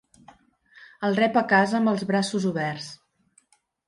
El rep a casa amb els braços oberts.